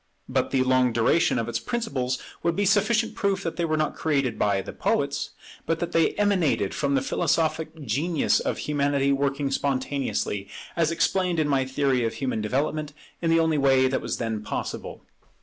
But the long duration of its principles would be sufficient proof that they were not created by the poets, but that they emanated from the philosophic genius of Humanity working spontaneously, as explained in my theory of human development, in the only way that was then possible.